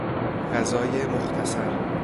غذای مختصر